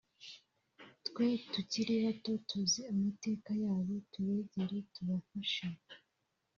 twe tukiri bato tuzi amateka yabo tubegere tubafashe